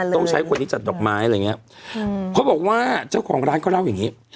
ต้องใช้คนที่จัดดอกไม้อะไรอย่างเงี้ยเขาบอกว่าเจ้าของร้านเขาเล่าอย่างนี้